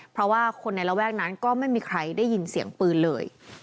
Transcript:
เพราะว่าคนในระแวกนั้นก็ไม่มีใครได้ยินเสียงปืนเลย